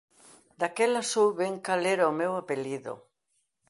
Daquela souben cal era o meu apelido.